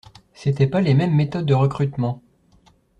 C’était pas les mêmes méthodes de recrutement